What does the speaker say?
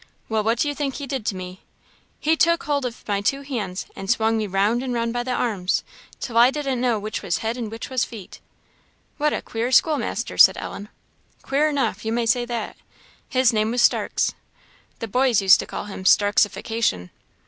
Well, what do you think he did to me? He took hold of my two hands, and swung me round and round by the arms, till I didn't know which was head and which was feet." "What a queer schoolmaster!" said Ellen. "Queer enough; you may say that. His name was Starks; the boys used to call him Starksification.